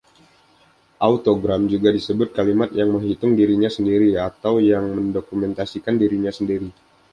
Autogram juga disebut kalimat yang ‘menghitung dirinya sendiri’ atau yang ‘mendokumentasikan dirinya sendiri’.